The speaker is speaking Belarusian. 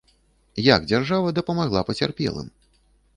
Як дзяржава дапамагла пацярпелым?